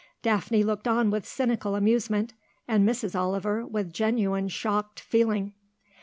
Daphne looked on with cynical amusement, and Mrs. Oliver with genuine shocked feeling.